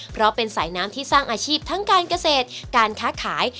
เพราะเป็นสายน้ำที่สร้างอาชีพทั้งการเกษตรการค้าขาย